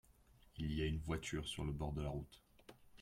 il y a une voiture sur le bord de la route.